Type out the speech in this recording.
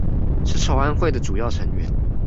是籌安會的主要成員